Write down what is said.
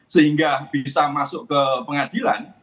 sehingga bisa masuk ke pengadilan